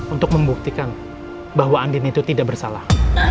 untuk membuktikan bahwa andin itu tidak bersalah